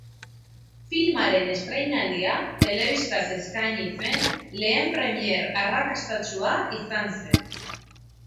Filmaren estreinaldia, telebistaz eskaini zen lehen premiere arrakastatsua izan zen.